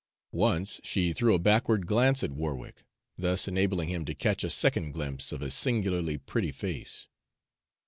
Once she threw a backward glance at Warwick, thus enabling him to catch a second glimpse of a singularly pretty face.